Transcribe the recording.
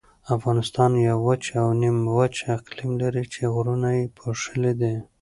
افغانستان یو وچ او نیمه وچ اقلیم لري چې غرونه یې پوښلي دي.